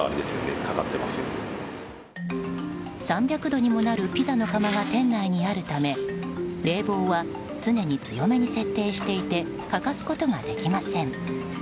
３００度にもなるピザの窯が店内にあるため冷房は常に強めに設定していて欠かすことができません。